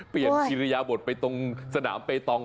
เปลี่ยนทิรยาบทไปตรงสนามเฟย์ทอง